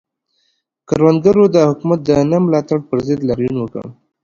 کروندګرو د حکومت د نه ملاتړ پر ضد لاریون وکړ.